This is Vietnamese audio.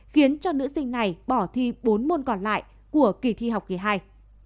khiến cho nữ sinh này bỏ thi bốn môn còn lại của kỳ thi học kỳ hai